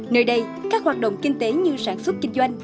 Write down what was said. nơi đây các hoạt động kinh tế như sản xuất kinh doanh